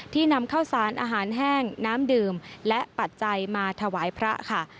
นำข้าวสารอาหารแห้งน้ำดื่มและปัจจัยมาถวายพระค่ะ